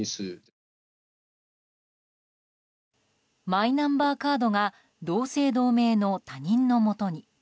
マイナンバーカードが同姓同名の他人のもとに。